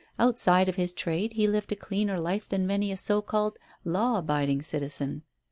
Outside of his trade he lived a cleaner life than many a so called law abiding citizen.